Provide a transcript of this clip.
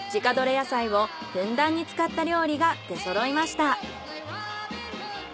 野菜をふんだんに使った料理が出そろいました。